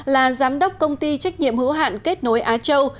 là giám đốc công ty trách nhiệm hữu hạn kết nối á châu